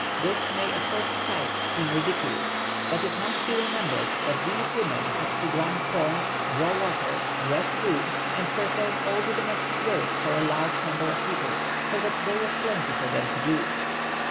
This may at first sight seem ridiculous, but it must be remembered that these women had to grind corn, draw water, dress food, and perform all the domestic work for a large number of people, so that there was plenty for them to do."